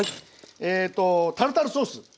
えとタルタルソース。